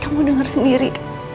kamu denger sendiri